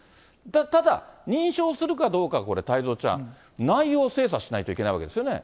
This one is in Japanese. ただ、認証するかどうか、これ、太蔵ちゃん、内容精査しないといけないわけですよね。